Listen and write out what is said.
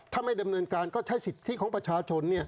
ถ้าไม่ดำเนินการก็ใช้สิทธิของประชาชน